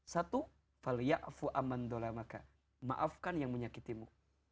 satu maafkan yang menyakitimu